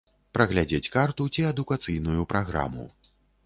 Праглядзець карту ці адукацыйную праграму.